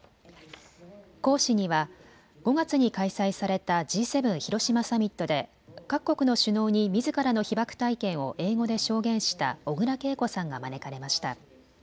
講師には５月に開催されたＧ７広島サミットで各国の首脳にみずからの被爆体験を英語で証言した小倉桂子さんが招かれました。